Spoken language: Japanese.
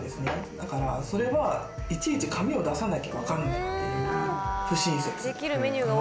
だからそれはいちいち紙を出さなきゃわからないっていう。